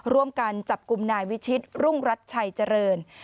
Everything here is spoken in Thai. ร่วมกันจับกลุ่มนายวิชิตรุ่งรัชชัยเจริญ